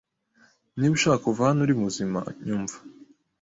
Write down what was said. Niba ushaka kuva hano uri muzima, nyumva.